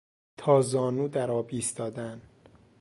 تا زانو در آب ایستادن